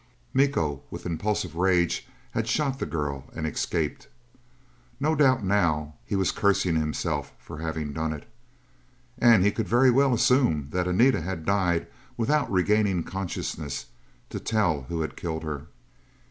Miko, with impulsive rage had shot the girl and escaped. No doubt now he was cursing himself for having done it. And he could very well assume that Anita had died without regaining consciousness to tell who had killed her.